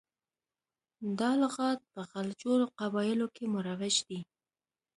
دا لغات په غلجو قبایلو کې مروج دی.